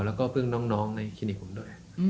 แล้วก็พึ่งน้องในคลินิกผมด้วย